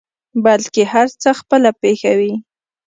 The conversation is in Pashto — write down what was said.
بلکې هر څه خپله پېښوي.